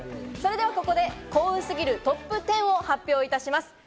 それではここで幸運すぎるトップ１０を発表いたします。